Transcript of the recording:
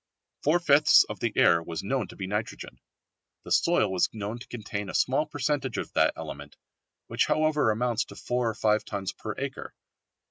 Four fifths of the air was known to be nitrogen. The soil was known to contain a small percentage of that element, which however amounts to four or five tons per acre.